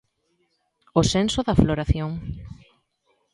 O senso da floración.